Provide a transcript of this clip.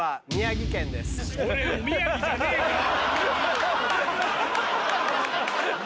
俺宮城じゃねえから！